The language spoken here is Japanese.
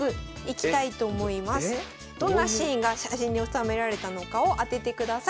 どんなシーンが写真に収められたのかを当ててください。